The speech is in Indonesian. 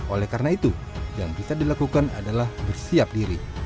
oleh karena itu yang bisa dilakukan adalah bersiap diri